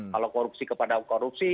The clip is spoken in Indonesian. kalau korupsi kepada korupsi